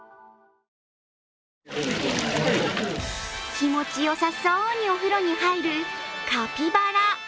気持ちよさそにお風呂に入るカピバラ。